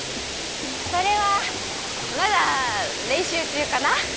それはまだれんしゅうちゅうかな。